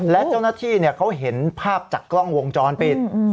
และเจ้าหน้าที่เขาเห็นภาพจากกล้องวงจรปิด